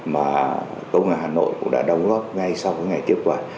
mà công an hà nội cũng đã đóng góp ngay sau những ngày trước qua